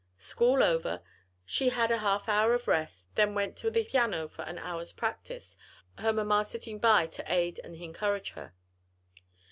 School over, she had a half hour of rest, then went to the piano for an hour's practice, her mamma sitting by to aid and encourage her.